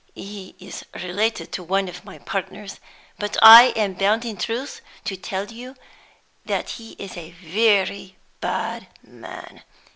He is related to one of my partners; but I am bound in truth to tell you that he is a very bad man.